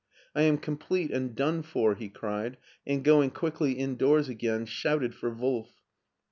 " T am complete and done f or/^ he cried, and, going quicVlv indoors aeain. shouted for Wolf.